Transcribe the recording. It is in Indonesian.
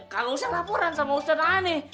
kagak usah laporan sama ustadz aneh